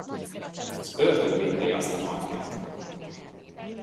Az ördög vinné azt a Martint.